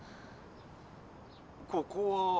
ここは？